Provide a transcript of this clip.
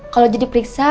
kalau jadi periksa